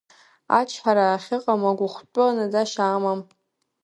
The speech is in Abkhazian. Ачҳара ахьыҟам агәахәтәы наӡашьа амам!